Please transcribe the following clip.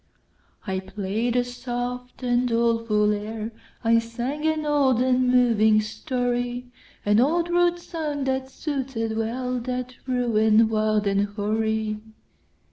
I play'd a soft and doleful air,I sang an old and moving story—An old rude song, that suited wellThat ruin wild and hoary.